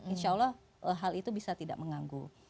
insya'allah hal itu bisa tidak mengganggu